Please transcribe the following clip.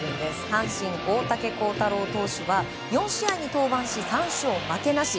阪神、大竹耕太郎投手は４試合に登板して３勝負けなし。